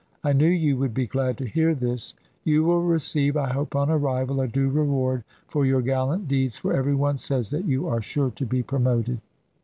I knew you would be glad to hear this; you will receive, I hope on arrival, a due reward for your gallant deeds, for every one says that you are sure to be promoted."